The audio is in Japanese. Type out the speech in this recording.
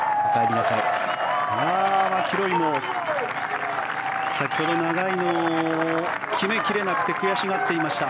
マキロイも先ほど長いのを決めきれなくて悔しがっていました。